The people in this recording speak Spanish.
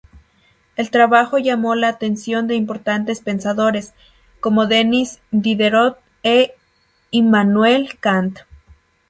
El trabajo llamó la atención de importantes pensadores, como Denis Diderot e Immanuel Kant.